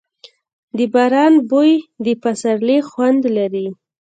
د باران بوی د پسرلي خوند لري.